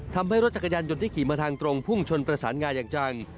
ทำให้รถจักรยานยนต์ที่ขี่มาทางตรงพุ่งชนประสานงาอย่างจัง